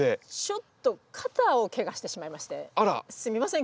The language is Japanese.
ちょっと肩をケガしてしまいましてすみません